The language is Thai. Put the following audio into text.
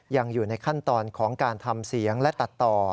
ยังอยู่ในขั้นตอนของการทำเสียงและตัดต่อ